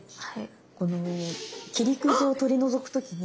この切りくずを取り除く時に。